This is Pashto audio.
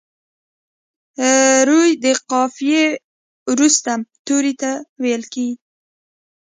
روي د قافیې وروستي توري ته ویل کیږي.